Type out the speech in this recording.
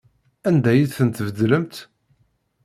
Anda ay tent-tbeddlemt?